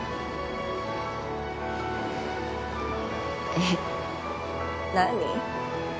えっ？何？